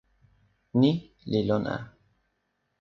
ni li lon a.